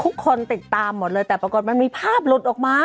ทุกคนติดตามหมดเลยแต่ปรากฏมันมีภาพหลุดออกมา